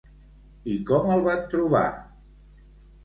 I com el van trobar?